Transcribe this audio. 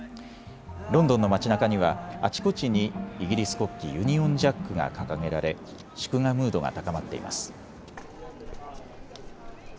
ロンドンの街なかにはあちこちにイギリス国旗、ユニオンジャックが掲げられ祝賀ムードが高まっています。